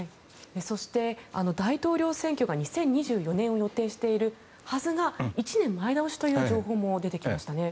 そして、大統領選挙が２０２４年を予定しているはずが１年前倒しという情報も出てきましたね。